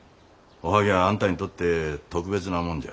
おはぎゃああんたにとって特別なもんじゃ。